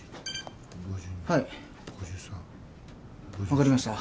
分かりました。